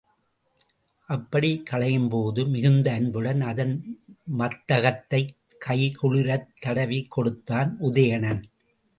அப்படிக் களையும்போது, மிகுந்த அன்புடன் அதன் மத்தகத்தைக் கைகுளிரத் தடவிக் கொடுத்தான் உதயணன்.